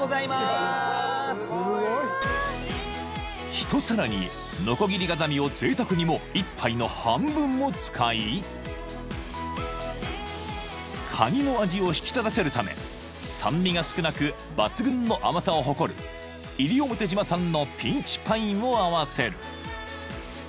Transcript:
［１皿にノコギリガザミをぜいたくにも１杯の半分も使いカニの味を引き立たせるため酸味が少なく抜群の甘さを誇る西表島産のピーチパインを合わせる］